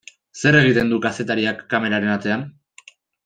Zer egiten du kazetariak kameraren atzean?